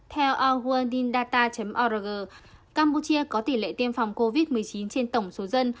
theo alguandindata org campuchia có tỷ lệ tiêm phòng covid một mươi chín trên tổng số dân